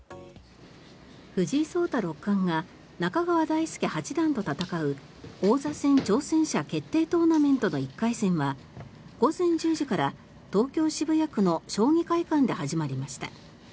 藤井聡太六冠が中川大輔八段と戦う王座戦挑戦者決定トーナメントの１回戦は午前１０時から東京・渋谷区の将棋会館で始まりました。